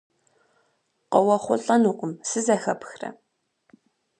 КъыуэхъулӀэнукъым, сызэхэпхрэ?